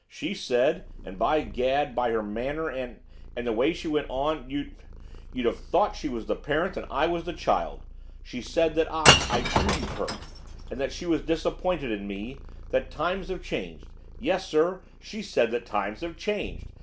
She said, and, by gad, by her manner, and and the way she went on, you'd you'd have thought that she was the parent and I was the child she said that I I grieved her, that she was disappointed in me, that times have changed, yes, sir, she said that times have changed!